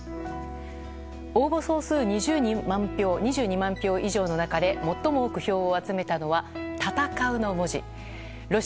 応募総数２２万票以上の中で最も多く票を集めたのは「戦」の文字。